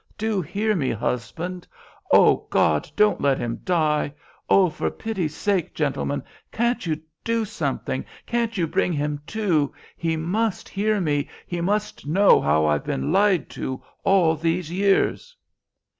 Do hear me, husband. O God, don't let him die! Oh, for pity's sake, gentlemen, can't you do something? Can't you bring him to? He must hear me! He must know how I've been lied to all these years!"